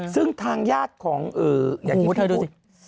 ซึ่งทางญาติของอย่างที่มดให้ดู